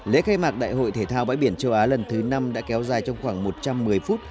lễ khai mạc đại hội thể thao bãi biển châu á lần thứ năm đã kéo dài trong khoảng một trăm một mươi phút